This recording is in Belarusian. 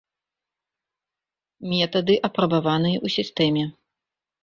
Метады апрабаваныя ў сістэме.